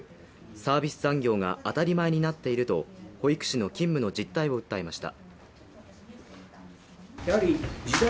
サービス残業が当たり前になっていると保育士の勤務の実態を訴えました。